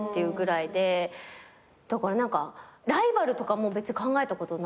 だから何かライバルとかも別に考えたことない。